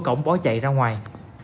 cảm ơn các bạn đã theo dõi và hẹn gặp lại